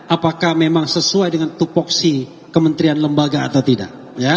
apakah memang sesuai dengan tupoksi kementerian lembaga atau tidak